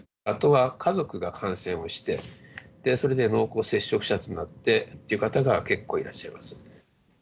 あとは家族が感染をして、それで濃厚接触者となってという方が結構いらっしゃる。